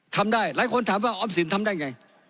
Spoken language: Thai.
ทำได้หลายคนถามว่าออมสินทำได้ไง